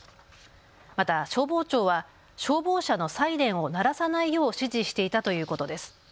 また消防長は消防車のサイレンを鳴らさないよう指示していたということです。